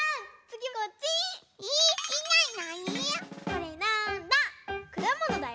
これなんだ？